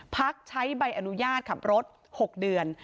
พักใช้ใบอนุญาตขับรถ๖เดือน